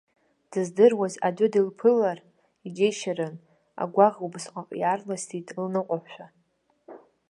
Дыздыруаз аӡәы дылԥылар иџьеишьарын, агәаӷ убасҟак иарласит лныҟәашәа.